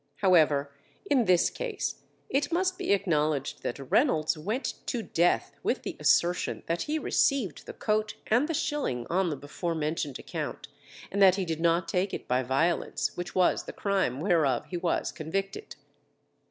However, in this case, it must be acknowledged that Reynolds went to death with the assertion that he received the coat and the shilling on the before mentioned account, and that he did not take it by violence, which was the crime whereof he was convicted.